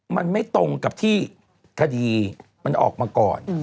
มันไม่ตรงกับที่คดีมันออกมาก่อน